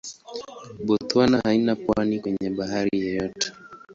Botswana haina pwani kwenye bahari yoyote.